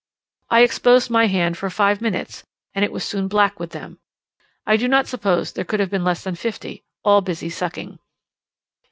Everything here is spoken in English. I exposed my hand for five minutes, and it was soon black with them; I do not suppose there could have been less than fifty, all busy sucking.